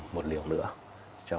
một liều nữa